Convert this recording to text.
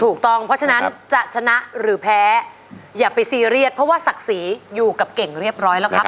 ถูกต้องเพราะฉะนั้นจะชนะหรือแพ้อย่าไปซีเรียสเพราะว่าศักดิ์ศรีอยู่กับเก่งเรียบร้อยแล้วครับ